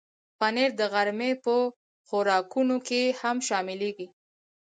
پنېر د غرمې په خوراکونو کې هم شاملېږي.